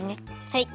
はい。